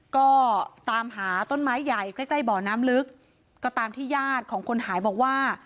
ก็ตามหาต้นไม้ใหญ่ใกล้ใกล้บ่อน้ำลึกก็ตามที่ญาติของคนหายบอกว่า